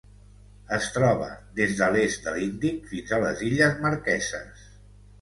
Es troba des de l'est de l'Índic fins a les Illes Marqueses.